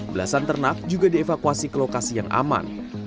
belasan ternak juga dievakuasi ke lokasi yang aman